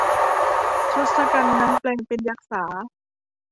ทศกัณฐ์นั้นแปลงเป็นยักษา